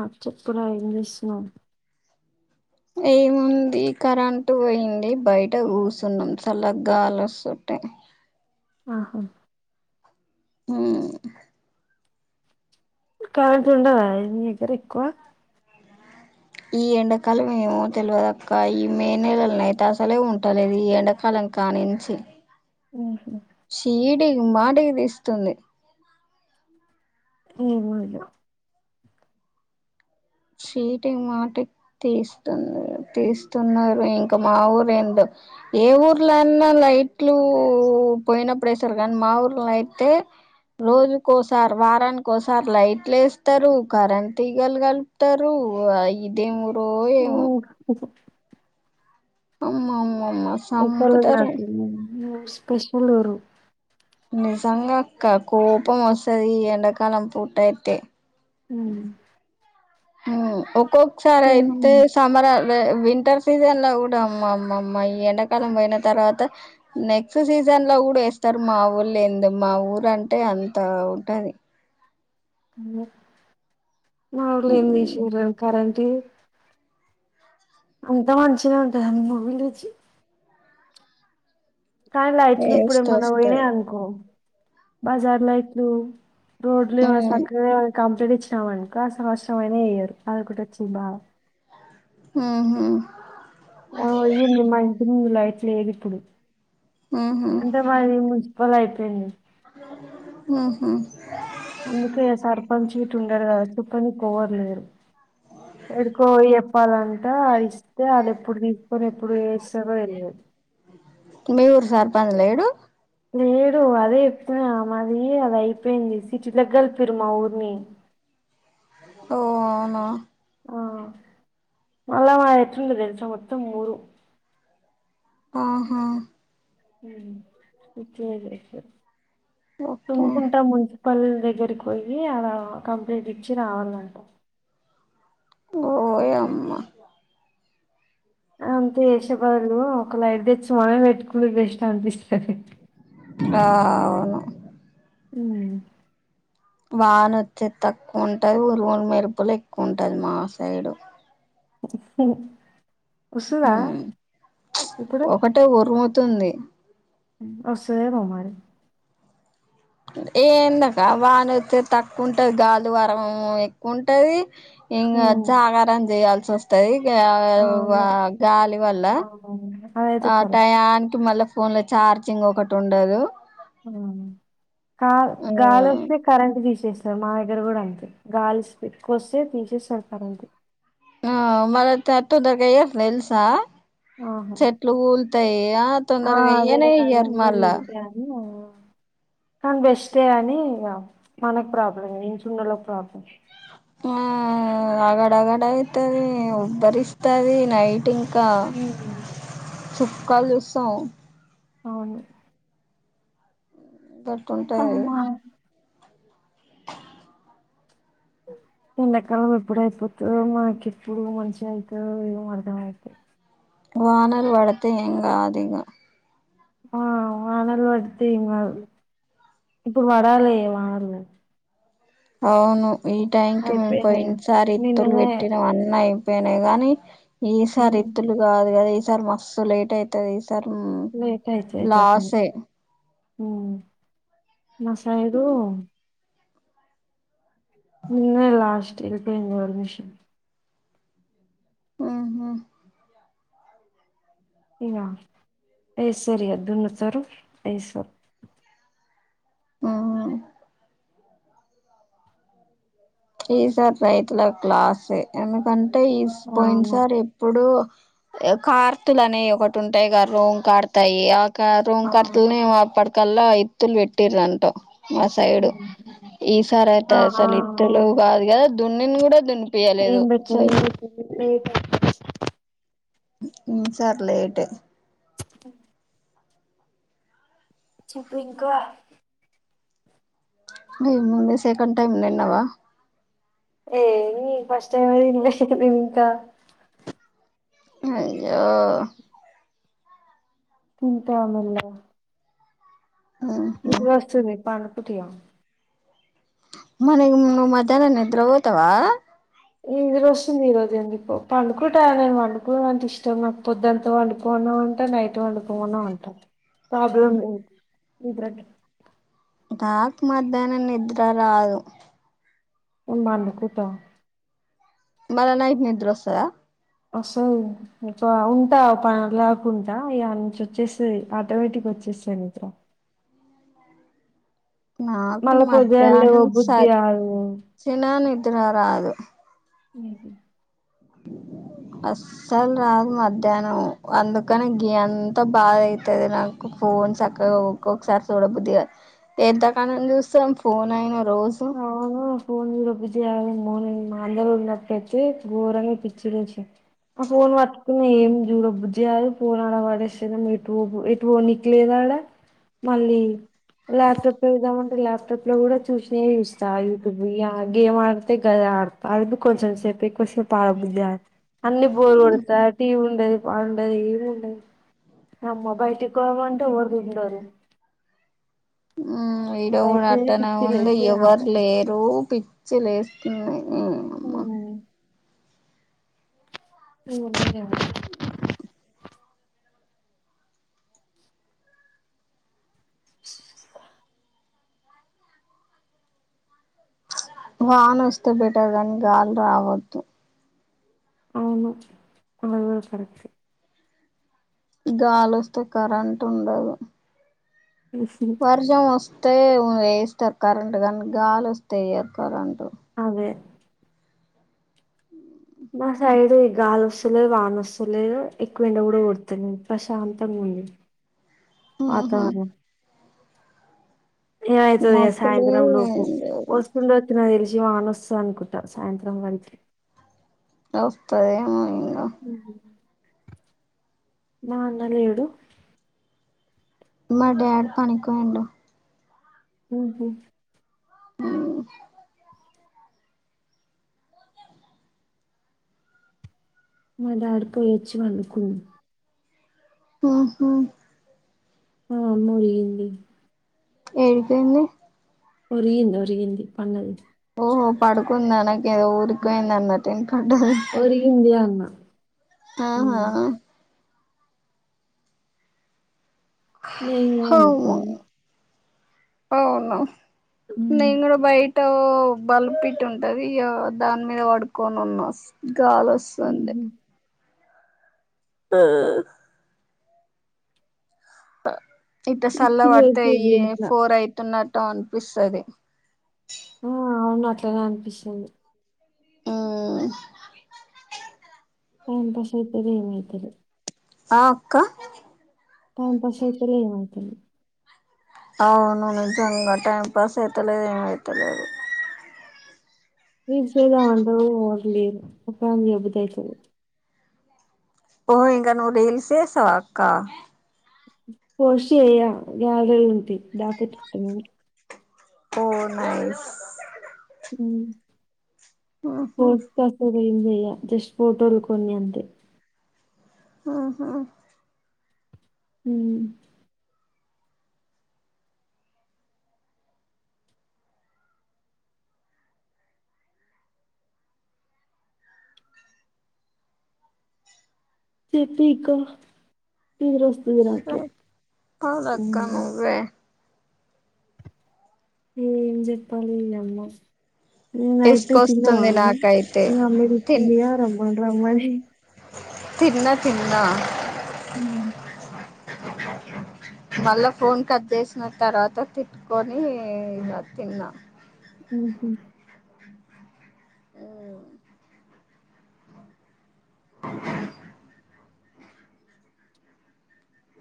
ఆ చెప్పు రా ఏం చేస్తున్నావ్ ఏముంది కరెంటు పోయింది బయట కూర్చున్నాం చల్ల గాలోస్తుంటే. ఆహ. హ. కరెంట్ ఉండదా ఎం మీ దగ్గర ఎక్కువ. ఈ ఎండకలం ఏమో తెలువదక్క ఈ మే నెలలనయితే అసలే ఉంటలేదు ఈ ఎండాకాలం కాణించి ఆహా. ఛీడి మాటికి తీస్తుంది పో. చిటికి మాటికీ తీస్తుంది తీస్తున్నారు ఇంకా మా ఊరు ఎందో. ఏ ఊర్లోన్నా లైట్లు పోయినప్పుడు ఎస్తరు కానీ మా ఊర్లో అయితే. రోజుకోసారి వారానికోసారి లైట్లు వేస్తారు కరెంట్ తీగలగల్ త్తారు ఇదేం ఊరు. ఉమ్. అమ్మ ఉ స్పెషల్ ఉంటూ స్పెషల్ ఊరు. నిజంగా అక్క కోపం వస్తది ఈ ఎండాకాలం పూటయితే. ఊ ఊ ఒక్కొక్కసారి అయితే సమ్మర్, వింటర్ సీజన్ లో కూడా. టమ్మమ్మా అమ్మ అయ్యా ఈ ఎండక్ కాలం పోయిన తర్వాత నెక్స్ట్ సీజన్ లో గూడ వేస్తారు మా ఊల్లె ఏందో మా ఊరు అంటే. అంత ఉంటది.. మావుల్లె ఏం చేసిర్రా కరెంటేది అంత మంచినే ఉంట మ లేచ.. కానీ లైట్లు ఇప్పుడ టేస్ట్ మన పోయినే వస్తది అనుకో బజార్లైట్లు. రోడ్లేమో సక్కగా. కంప్లీట్ ఇచ్చినామనుకో సంవత్సరం అయినా వెయ్యరు అదొక్కటి వచ్చింది బాధ ఉ హు ఓ అయ్యింది మా ఇంటి ముందు లైట్ లేదు ఇప్పుడు ఉహు అంటే మాది. మున్స్ పలయిపోయింది. ఉ హు అందుకే సర్పంచ్ ఇట్ ఉండడు కదా చుక్కని కోవరులేరు ఎడుకో ఎప్పాలంట ఆ ఇస్తే అది ఎప్పుడు తీ ఎప్పుడు ఎప్పుడు ఏస్తారు ఏందో మీ ఊరు సర్పంచ్ లేడు. లేడు అదే చెప్పిన మాది అది అయిపోయింది సిటీలకలిపిరు మా ఊరిని. ఓ అవునా. ఆ మళ మా ఎట్ల ఉంది తెల్సా మొత్తం మఊరు. ఆహా. ఉ హు ఇట్లుంది ఓకే తూముకుంట ఉప్పల్ దగ్గరికి పోయి అడా కంప్లైంట్ ఇచ్చి రావాలంట. ఓయమ్మ. అదంతా చేసేబదులు ఒక లైట్ తెచ్చి మనమే పెట్టుకుంటే బెస్ట్ అనిపిస్తది. అవును. మ్మ్ వాన వచ్చేద్ తక్కువ ఉంటది ఉరుములు మెరుపులు ఎక్కువ ఉంటది మా సైడు. సరే హ్మ్ ఇప్పుడు ఒకటే ఉరుముతుంది. వస్తదేమో మరి. ఏందక వానచ్చేద్ తక్కువ ఉంటది గాలి వరవేమో ఎక్కువ ఉంటది. ఇంగో ఉమ్, జాగారం చేయాల్సివస్తది. వా అవును గాలి వల్ల అవునవును అదైతే కరెక్ట్ టయాన్కి. మళ్ళ ఫోన్లో చార్జింగ్ ఒకటి ఉండదు. ఆ కాద్ గాలి హ్మ్ వచ్చి కరెంట్ దీస్. తీస్తారు మా దగ్గర గూడ అంతే గాలిస్ ఎక్కువొస్తే తీసేసారు కరెంటు. ఆ మరి తట్టు దగయ లేల్సా ఆహా చెట్లు కూల్తాయ ఆ, తొందరగ అదే ఏయ్యనే ఏయ్యరు అదన్నీ మళ్ళా. ఊరికే అని ఆ, కానీ బెస్టే అని ఇగ మనకి ప్రాబ్లం నుంచునోళ్ళకి ప్రాబ్లం. ఆ ఆగడగడ అయితది ఉబ్బరిస్తది నైటు నయందేన చుక్కలు చూస్తావ్ అవును. గట్ట ఉంటాయ్ అవి అమ్మా [inaudible] ఎండకాలం ఎప్పుడు అయిపోతదో మాకెప్పుడ మంచిగ అయితదో ఏం అర్థం అయితలే. వానల్ వడతే ఎం గాదు ఇగ ఆ వానలు వత్తిమంద్ ఇప్పుడు పడాలి ఈ వానలు. అవును ఈ టైంకి మేము అయిపోయినాయి పోయినసారి ఇత్తులు నిన్ననే పెట్టిన్నం అన్ని అయి పోయినయ్ గానీ ఈసారి ఉమ్, ఇత్తులు కాదు కదా ఈసారి మస్తు లేట్ అయితది తరం లోసే హ్మ్ మా సైడు. నిన్నే లాస్ట్ ఎళ్ళిపోయింది ఆర్మిషన్ మ్ హు ఇగ ఏ సరిహద్దున్నసరు ఏ సర్. మ్మ్ ఈ సారీ రైతులకు లాసే ఎందుకంటే ఇస్ అవును పోయిన్సారి ఎప్పుడు. కార్తులనే ఒకటి ఉంటాయ్గ రోమ్ కడతాయి ఆ క రూం ఆ కర్తుల్నె ఏమో అప్పటికల్లా ఇత్తుల్ పెట్టిర్రంటవ్ మా సైడు ఉమ్. ఈ సారి అయితే ఆ ఆ అస్సలు ఇత్తులు కాదు కద దున్నిన్ కూడా దున్ని. పియలేదు. ఏం పెట్టింది లేట్ ఉమ్ సర్లే అయితే చెప్పు ఇంకా. దీని ముందే సెకండ్ టైమ్ నిన్నవా. ఏ... ఫస్ట్ టైం ఇంగ్లీష్ సెంకెడ్ ఇంకా. అయ్యో... ఇంకా మిల్లా ఉహు నిద్రొస్తుంది పండుకుంటిగా మరి నువ్ మధ్యాహనం నిద్ర పోతవా నిదురోస్తుంది వస్తుంది ఈ రోజు ఎందుకో పండుకుంట నేను పండుకునుడు అంటే ఇష్టం నాకు పొద్దుంత వండుకోన్నా అంటె నైట్ వండుకోమన్న పంట ప్రాబ్లం లేద్ నిద్రకి నాక్ మధ్యానం నిద్ర రాదు నేన్ పండుకుంటా మళ్ళ నైట్ నిద్రొస్తదా ఓస్తది ఒక ఉంటా ఓ పనేడు గట్ల దాకా ఉంట ఇగ ఆనించి ఒచ్చేస్తది ఆటోమేటిక్ గా ఓచ్చేస్తాది నిద్ర అ నాకు మళ్ళా పొద్దుగాల లేవ మధ్యాహ్నం స బుద్ధి కాదు సచ్చినా నిద్ర రాదు లేదు అస్సలు రాదు మధ్యాహ్నం అందుకనే గి అంతా బాధ అయితది నాకు ఫోన్ సక్కగా ఒక్కొక్కసారి చూడబుద్దిగాదు ఎంతకానం చూస్తాం ఫోన్ అయిన అవును ఫోన్ చూడబుద్దీ ది మూడు మా అన్నది ఉన్నపటినుంచి ఘోరంగా పిచ్చి లేసింది ఆ ఫోన్ పట్టుకుని ఏం జూడ బుజ్జుకదు ఫోన్ అడ పడేసి ఏదన్న ఎటు ఫోన్క్ లేదా డ మళ్ళీ లాప్టాప్ చూద్దాం అంటే లాప్టాప్ లో కూడా చూస్ దే చూస్తా యూట్యూబ్ గేమ్ ఆడతే గదే ఆడత అది కూడా కొంచెం సేప్ ఆది ఎక్కువ సేపు ఆడాబుద్ధి కాదు అన్ని బోర్ కొడతది ఆ టీవీ ఉండది పాడ్ ఉండదు ఎం ఉండదు అమ్మ బయటికి వోదం అంటే ఎవరు ఉండరు ఉ ఈడ కూడా అదైతే అట్టనే పిచ్చి ఉంది లేసి ఎవరు నాకు లేరు పిచ్చి లేస్తుంది హు నీయమ్మ హు [unintelligible] [inaudible] వానోస్తే బెటర్ గనీ గాలి రావద్దు అవును ఆ సరేతీ గాలోస్తే కరెంట్ ఉండదు వర్షం వస్తే వేస్తారు కరెంట్ కానీ గాలోస్తే ఏయ్యారు కరెంటు అవే మా సైడు గాలి వస్తులేదు వాన వస్తలేదు ఎక్కువ ఎండా కూడా కొడుతలేదు ప్రశాంతంగా ఉం ఉహ్ ఆహా అతఅగు ఇగాయితది మబ్బులు సాయంత్రం లోపు ఏం లేదు వస్తుండొచ్ జీవానొస్తది అనుకుంటా సాయంత్రం వరకి వస్తది ఏమో ఉహు మా అన్న లేడు మా డాడీ పనికి పోయిండు ఉహు [unintelligible] మా డాడీ పోయొచ్చి పండుకుండు ఉహు ఆ ఒరిగింది ఏం ట్రైంది ఒరిగింది ఒరిగింది పన్నది ఓహో పడుకుంద నాకు ఏదో ఊరికియిందన్నట్ వినపడ్డది. ఒరిగింది అన్న ఆహా ఉమ్. నేను కూడా అనుకు అవునా నేను కూడా బయట ఓ బల్పిట్ ఉంటది దాని మీద పడుకొని ఉన్న గాలి వోస్తుంది ఉహు ఆ ఇంత సల్ల పిచ్చి వడతే లేసేది ఈ ఇంట్లో ఫోర్ అయితున్న ట్ట అనిపిస్తది ఆ అవును అట్లనే అనిపిస్తది ఉమ్ టైం పాస్ అయితలే ఏం అయితలే ఆ అక్క టైమ్ పాస్ అయితలేదు ఏం అయితలేదు. అవును నిజంగా టైం పాస్ అయితలేదు ఏమవుతలేదు రీల్స్ చేదాము అంటావు ఉంటూ వర్లిరు మొత్తానికి చేయబుద్ధి అయితలేదు. ఓ ఇంకా రీల్స్ చేస్తావా అక్క పోస్ట్ చేయ్య గ్యాలరీల ఉంటాయి దా పెట్టుకుంట నేను ఓ నైస్ ఉమ్ ఊహూ ఏం చెయ్యా జస్ట్ ఫోటోలు కొన్ని అంతే ఆహా మ్మ్ చెప్పిక నిద్ర వస్తుంది నాకు చెప్పాలక్క మ్మ్ నువ్వే ఏం చెప్పాలి ఈ యమ్మ నైట్ తిన్నవా తీసుకొస్తుంది అన్నం నాకైతే మీ అమ్మ తిట్టింది కదా రమ్మాన్నీ రమ్మానీ తిన్న తిన్నా ఉమ్ మళ్ళా ఫోన్ కట్ చేసిన తర్వాత తిట్టుకొని ఇగ తిన్న ఉహు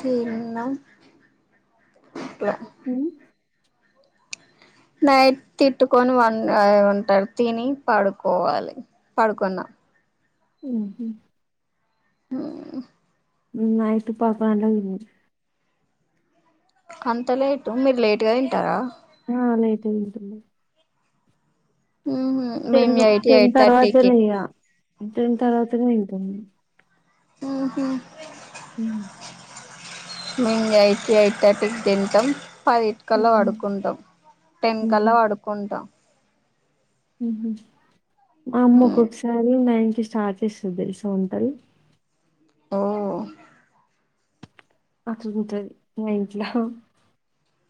తిన్నాం అ నైట్ తిట్టుకొని వన్ ఉంటారు తిని పడుకోవాలి పడుకున్నాం అహ హ నైట్ పదు పద్కోన్ గంటలకు తిన్నాం అంత లేటు మీరు లేట్గా తింటారా ఆ లేటే తింటం మేము ఉహు టెన్ మేము ఎయిట్ టెన్ ఎయిట్ థర్టీకి తర్వాతనే ఇగ టెన్ తర్వాత తింటం మేము ఉ హు ఉ మేం ఎయిట్, ఎయిట్ థర్టీ కి తింటం పదింటికల్లా పడుకుంటాం టెన్ కల్లా పడుకుంటాం ఉ హుమ్మ్ మా అమ్మకు ఒకసారి నైట్ స్టార్ట్ చేస్తుంది తెలిసే ఉంటది ఓ అట్లుంటది మీ ఇంట్ల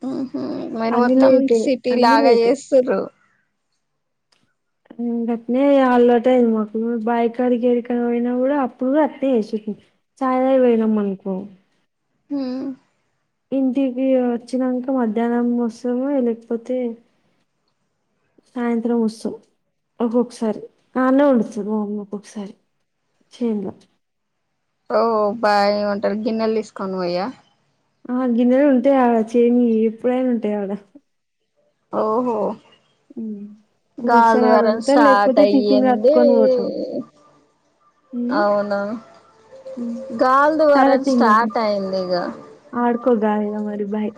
ఉ హుమ్మ్ మీరు మొత్తం సిటీ అన్ని లాగా లేటే చేస్తుంర్రు ఉ గట్లనే అలవాటయింది మాకు బాయ్ కాడికి ఏడికైనా పోయినా కూడా అప్పుడు కూడా అట్లనే చేసిల్లు చాయ్ తాగి పోయినం అనుకో ఉ ఇంటికి వచ్చినంక మధ్యాహ్నం వస్థమో లేకపోతే సాయంత్రం వస్తం ఒక్కొక్కసారి అన్నె వండుతది ఒక్కొక్కసారి ఇచ్చిండు ఓ బాయ్ కొంటారు గిన్నెలు తీసుకోని పొయ్య ఆ గిన్నెలు ఉంటాయి ఆడ చెనుయి ఎప్పుడైనా ఉంటాయి ఆడ ఓహో ఒక్కొక్కసారి ఆడ గాలువరం వండుతారు స్టార్ట్ లేకపోతే టిఫిన్ అయ్యింది కట్టుకొని పోతాం ఉ అవునా గాలి సరే దుమారం తీ మరి స్టార్ట్ అయింది ఇగ ఆడుకో గాలి దుమారం బాయ్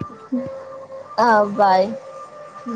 ఆ బాయ్ హ